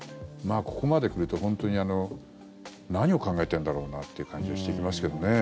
ここまで来ると本当に何を考えてるんだろうなって感じがしてきますけどね。